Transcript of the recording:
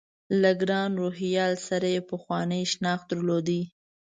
له ګران روهیال سره یې پخوانی شناخت درلود.